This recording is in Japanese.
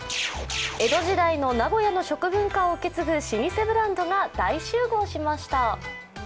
江戸時代の名古屋の食文化を受け継ぐ老舗ブランドが大集合しました。